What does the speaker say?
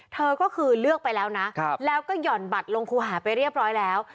เธอก็คือเลือกไปแล้วนะแล้วก็หย่อนบัตรลงครูหาไปเรียบร้อยแล้ว